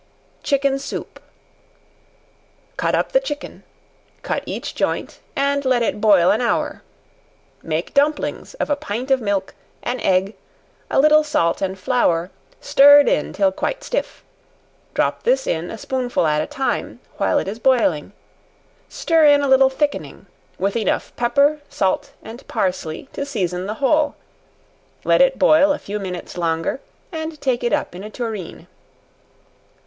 Chicken Soup. Cut up the chicken; cut each joint, and let it boil an hour; make dumplings of a pint of milk, an egg, a little salt and flour, stirred in till quite stiff; drop this in, a spoonful at a time, while it is boiling; stir in a little thickening, with enough pepper, salt and parsley, to season the whole; let it boil a few minutes longer, and take it up in a tureen.